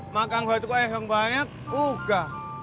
makan batuk es yang banyak uga